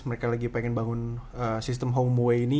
mereka lagi pengen bangun sistem home away ini